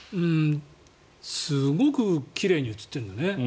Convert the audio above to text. すごく奇麗に映ってるんだね。